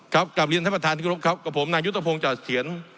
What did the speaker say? ครับกับเรียนท่านประธานที่คุณพุทธครับกับผมนางยุตภพงษ์จ่าเสียน